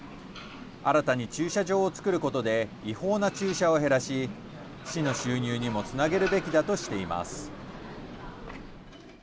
新たに、駐車場をつくることで違法な駐車を減らし市の収入にもつなげるべきだとしています。